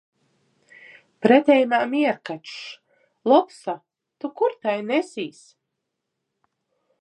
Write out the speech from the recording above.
Preteimā mierkačs: - Lopsa, tu kur tai nesīs?